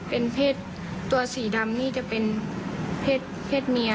เป็นเพศตัวสีดำนี่จะเป็นเพศเมีย